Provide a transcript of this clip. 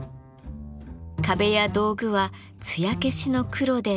壁や道具はつや消しの黒で統一。